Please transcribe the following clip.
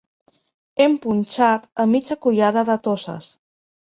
Hem punxat a mitja collada de Toses.